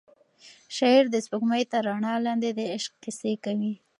شاعر د سپوږمۍ تر رڼا لاندې د عشق کیسې کوي.